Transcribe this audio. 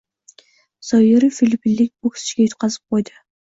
Zoirov filippinlik bokschiga yutqazib qo‘ydi